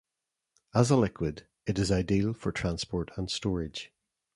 As a liquid, it is ideal for transport and storage.